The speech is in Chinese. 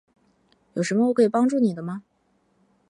有什么我可以帮助你的吗？